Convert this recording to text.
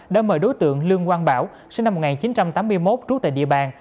đã mời đối tượng lương quang bảo sinh năm một nghìn chín trăm tám mươi một trú tại địa bàn